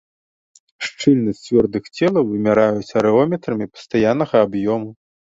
Шчыльнасць цвёрдых целаў вымяраюць арэометрамі пастаяннага аб'ёму.